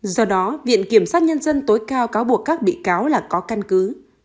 do đó viện kiểm sát nhân dân tối cao cáo buộc các bị cáo là có căn cứ